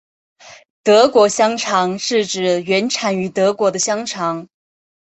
德国香肠是指原产于德国的香肠。